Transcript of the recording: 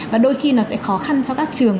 và đôi khi nó sẽ khó khăn cho các trường